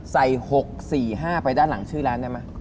ใส่๖๔๕ไปด้านหลังชื่อร้านได้ไหม